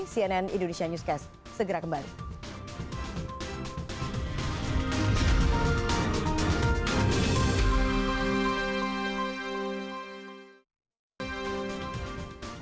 cnn indonesia newscast segera kembali